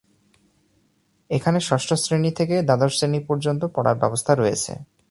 এখানে ষষ্ঠ শ্রেণী থেকে দ্বাদশ শ্রেণী পর্যন্ত পড়ার ব্যবস্থা রয়েছে।